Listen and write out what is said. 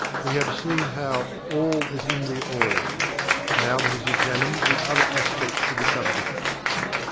We have seen how "All is in THE ALL" now let us examine the other aspect of the subject.